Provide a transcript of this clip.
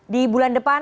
di bulan depan